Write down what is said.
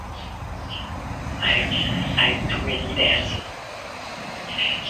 Dierks has been quoted by American Songwriter explaining I wrote too many songs.